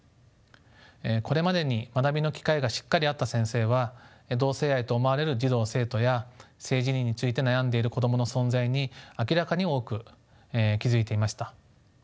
これまでに学びの機会がしっかりあった先生は同性愛と思われる児童・生徒や性自認について悩んでいる子供の存在に明らかに多く気付いていました。